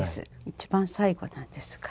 一番最後なんですが。